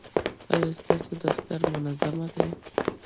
ایا ستاسو دفتر منظم دی؟